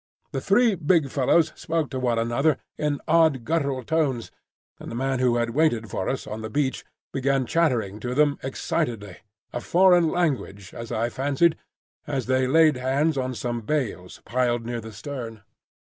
The three big fellows spoke to one another in odd guttural tones, and the man who had waited for us on the beach began chattering to them excitedly—a foreign language, as I fancied—as they laid hands on some bales piled near the stern.